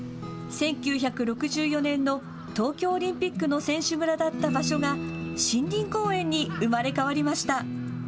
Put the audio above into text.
１９６４年の東京オリンピックの選手村だった場所が森林公園に生まれ変わりました。